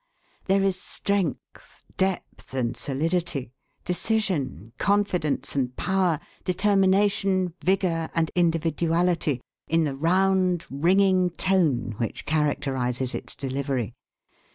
There is strength, depth and solidity, decision, confidence and power, determination, vigor and individuality, in the round, ringing tone which characterizes its delivery.